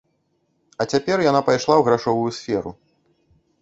А цяпер яна пайшла ў грашовую сферу.